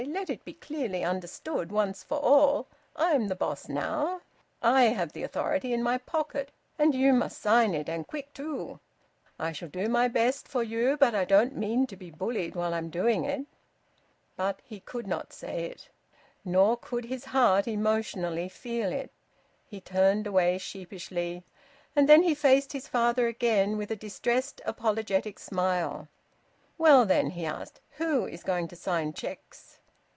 "Let it be clearly understood once for all I'm the boss now! I have the authority in my pocket and you must sign it, and quick too! I shall do my best for you, but I don't mean to be bullied while I'm doing it!" But he could not say it. Nor could his heart emotionally feel it. He turned away sheepishly, and then he faced his father again, with a distressed, apologetic smile. "Well then," he asked, "who is going to sign cheques?"